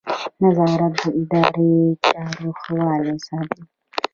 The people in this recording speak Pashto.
نظارت د اداري چارو ښه والی ساتي.